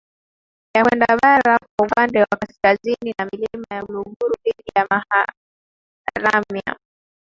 ya kwenda bara kwa upande wa kaskazini ya Milima ya Uluguru dhidi ya maharamia